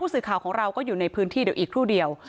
สื่อข่าวของเราก็อยู่ในพื้นที่เดี๋ยวอีกครู่เดียว